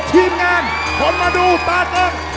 ทีมงานขอมาดูตาเติ้ง